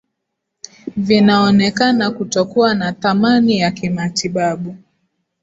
vinaonekana kutokuwa na thamani ya kimatibabu